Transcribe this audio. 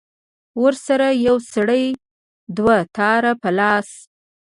ورسره يو سړى دوتار په لاس.